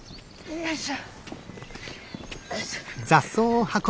よいしょ。